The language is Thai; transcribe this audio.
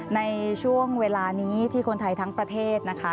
ในช่วงเวลานี้ที่คนไทยทั้งประเทศนะคะ